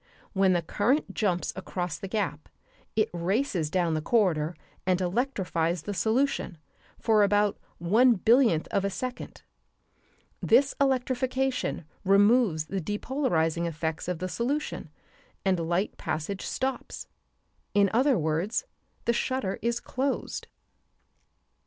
When the current jumps across the gap it races down the corridor and electrifies the solution for about one billionth of a second. This electrification removes the depolarizing effects of the solution and light passage stops; in other words, the shutter is closed.